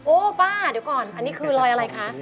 ป้าเดี๋ยวก่อนอันนี้คือรอยอะไรคะ